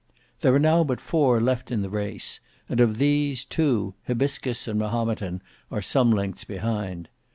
There are now but four left in the race, and of these, two, Hybiscus and Mahometan, are some lengths behind.